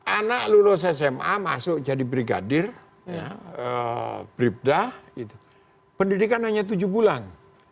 anak lulus sma masuk jadi brigadir bribda pendidikan hanya tujuh bulan